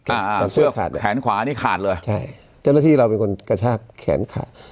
แต่เสื้อขาดเลยแขนขวานี่ขาดเลยใช่เจ้าหน้าที่เราเป็นคนกระชากแขนขาด